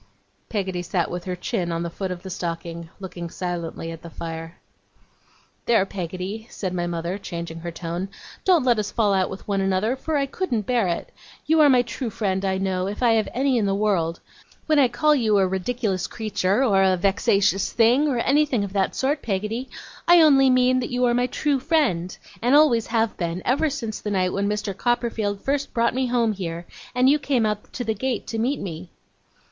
Peggotty sat with her chin on the foot of the stocking, looking silently at the fire. 'There, Peggotty,' said my mother, changing her tone, 'don't let us fall out with one another, for I couldn't bear it. You are my true friend, I know, if I have any in the world. When I call you a ridiculous creature, or a vexatious thing, or anything of that sort, Peggotty, I only mean that you are my true friend, and always have been, ever since the night when Mr. Copperfield first brought me home here, and you came out to the gate to meet me.